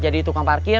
jadi tukang parkir